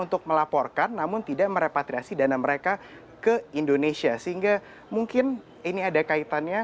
untuk melaporkan namun tidak merepatriasi dana mereka ke indonesia sehingga mungkin ini ada kaitannya